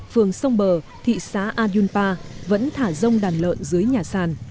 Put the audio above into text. phường sông bờ thị xã a dun pa vẫn thả rông đàn lợn dưới nhà sàn